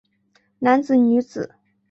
男子女子